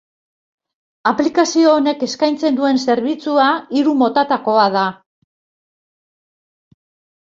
Aplikazio honek eskaintzen duen zerbitzua hiru motatakoa da.